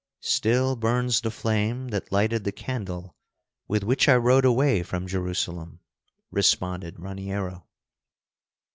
"Still burns the flame that lighted the candle with which I rode away from Jerusalem," responded Raniero.